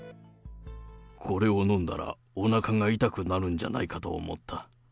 これを飲んだら、おなかが痛くなるんじゃないかと思った。